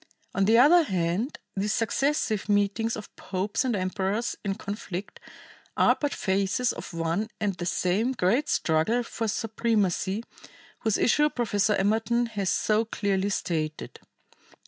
On the other hand these successive meetings of popes and emperors in conflict are but phases of one and the same great struggle for supremacy, whose issue Professor Emerton has so clearly stated.